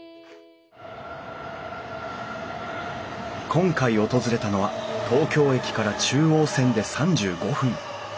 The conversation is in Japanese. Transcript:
今回訪れたのは東京駅から中央線で３５分。